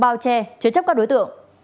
bao che chứa chấp các đối tượng